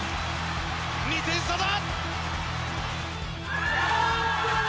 ２点差だ！